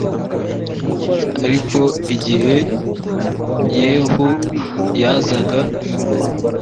ariko igihe yehu yazaga